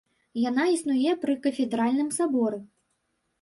Яна існуе пры кафедральным саборы.